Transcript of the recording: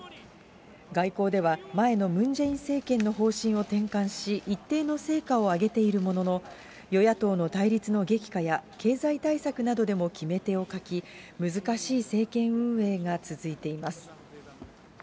外交では、前のムン・ジェイン政権の方針を転換し、一定の成果を上げているものの、与野党の対立の激化や経済対策などでも決め手を欠き、難しい政権運営が続いています。